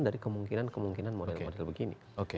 dari kemungkinan kemungkinan model model begini